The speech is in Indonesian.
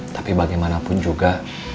tapi bagaimanapun juga